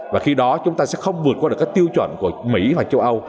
và khi đó chúng ta sẽ không vượt qua được cái tiêu chuẩn của mỹ hoặc châu âu